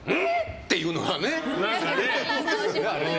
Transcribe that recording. って言うのがね。